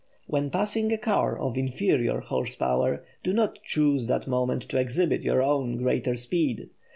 When passing a car of inferior horse power, do not choose that moment to exhibit your own greater speed.